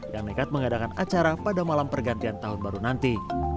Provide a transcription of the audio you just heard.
yang nekat mengadakan acara pada malam pergantian tahun baru nanti